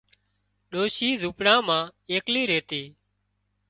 ڏوشي زونپڙا مان ايڪلي ريتي